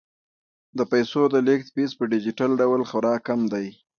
د پيسو د لیږد فیس په ډیجیټل ډول خورا کم دی.